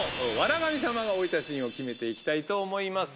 神様が降りたシーンを決めていきたいと思います。